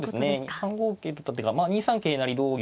３五桂と打った手が２三桂成同玉